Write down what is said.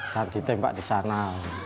dan ditembak disana